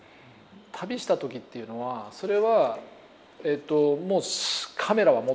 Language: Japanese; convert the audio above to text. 旅した時っていうのはそれはもうカメラは持ってたんですか。